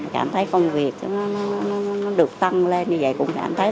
cảm thấy công việc nó được tăng lên như vậy cũng cảm thấy